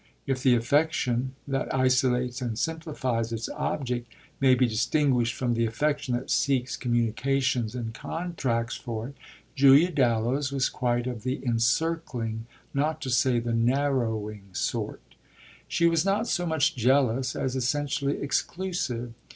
If the affection that isolates and simplifies its object may be distinguished from the affection that seeks communications and contracts for it, Julia Dallow's was quite of the encircling, not to say the narrowing sort. She was not so much jealous as essentially exclusive.